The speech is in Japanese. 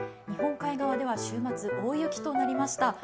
日本海側では週末大雪となりました。